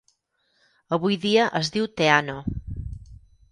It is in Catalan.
Avui dia es diu Teano.